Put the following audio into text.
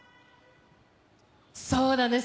そうなんです。